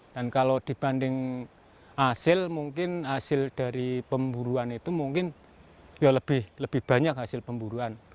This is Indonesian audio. dan kalau dibanding hasil mungkin hasil dari pemburuan itu mungkin lebih banyak hasil pemburuan